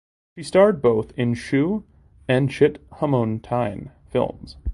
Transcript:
She starred both in "Hsu" and "Chit Hmone Tine" films.